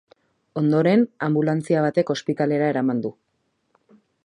Ondoren, anbulantzia batek ospitalera eraman du.